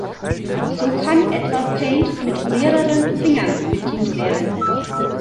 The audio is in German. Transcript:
So kann etwa Paint mit mehreren Fingern bedient werden.